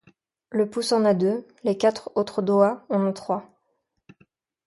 Le pouce en a deux, les quatre autres doigts en ont trois.